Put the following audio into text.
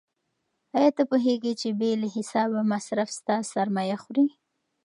آیا ته پوهېږې چې بې له حسابه مصرف ستا سرمایه خوري؟